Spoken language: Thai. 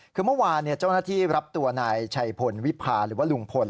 คือเมื่อวานเจ้าหน้าที่รับตัวนายชัยพลวิพาหรือว่าลุงพล